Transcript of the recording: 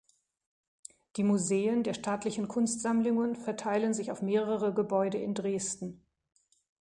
Die Museen der Staatlichen Kunstsammlungen verteilen sich auf mehrere Gebäude in Dresden.